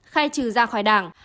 khai trừ ra khỏi đảng